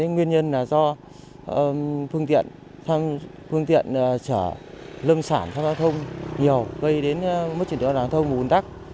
nguyên nhân là do phương tiện chở lâm sản vào giao thông nhiều gây đến mất truyền thống giao thông bùn tắc